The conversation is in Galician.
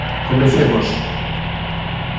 Comecemos.